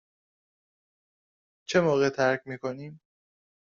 چه موقع ترک می کنیم؟